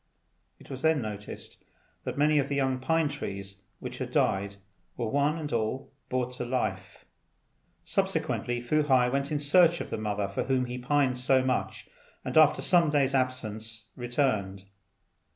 It was then noticed that many of the young pine trees which had died were one and all brought to life. Subsequently, Fu hai went in search of the mother for whom he pined so much, and after some days' absence returned.